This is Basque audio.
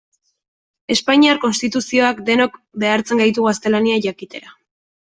Espainiar Konstituzioak denok behartzen gaitu gaztelania jakitera.